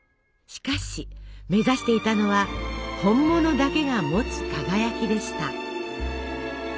しかし目指していたのは本物だけが持つ輝きでした。